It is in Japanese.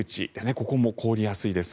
ここも凍りやすいです。